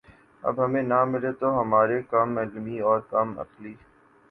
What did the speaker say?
اب ہمیں نہ ملے تو ہماری کم علمی اور کم عقلی